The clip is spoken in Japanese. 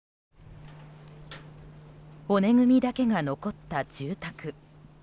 骨組みだけが残った住宅。